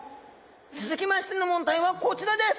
続きましての問題はこちらです。